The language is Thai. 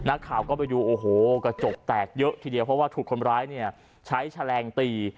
นักข่าวก็ไปดูโอ้โหกระจกแตกเยอะทีเดียวเพราะว่าถูกคนร้ายเนี่ยใช้แฉลงตี